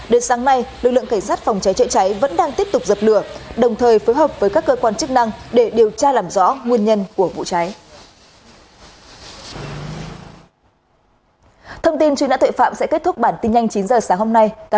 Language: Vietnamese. đến sáng nay lực lượng cảnh sát phòng cháy chữa cháy vẫn đang tiếp tục dập lửa đồng thời phối hợp với các cơ quan chức năng để điều tra làm rõ nguyên nhân của vụ cháy